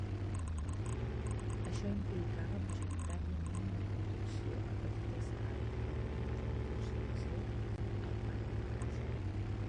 Això implicava majoritàriament una producció a petita escala, com ara la fosa d'acer "al pati de casa".